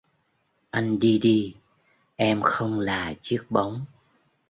Anh đi đi, Em không là chiếc bóng